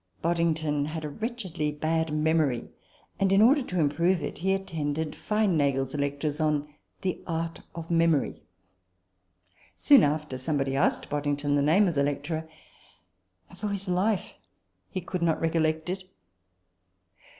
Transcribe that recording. Boddington had a wretchedly bad memory ; and, in order to improve it, he attended Feinaigle's lectures on the Art of Memory. Soon after, some body asked Boddington the name of the lecturer ; and, for his life, he could not recollect it.